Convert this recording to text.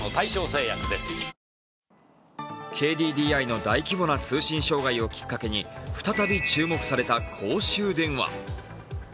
ＫＤＤＩの大規模な通信障害をきっかけに再び注目された公衆電話。